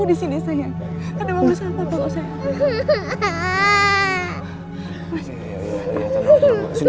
udah papa disini